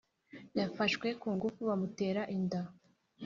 Yafashwe kungufu bamutera inda